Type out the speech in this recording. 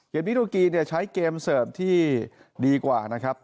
เกียรติวิทุกรีใช้เกมเสิร์ฟที่ดีกว่านะครับ